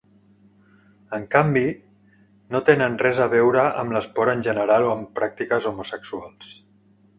En canvi, no tenen res a veure amb l'esport en general o amb pràctiques homosexuals.